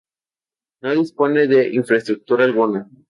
No dispone de infraestructura alguna.